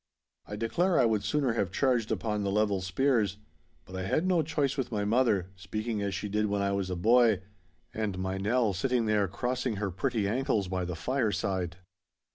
I declare I would sooner have charged upon the level spears. But I had no choice with my mother, speaking as she did when I was a boy, and my Nell sitting there crossing her pretty ankles by the fireside.